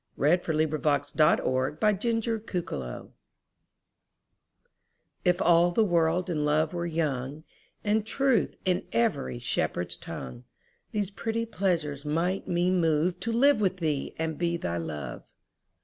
Her Reply (Written by Sir Walter Raleigh) IF all the world and love were young, And truth in every shepherd's tongue, These pretty pleasures might me moveTo live with thee and be thy Love.